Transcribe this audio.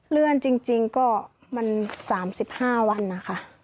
เลื่อนจริงก็มัน๓๕วันนะคะ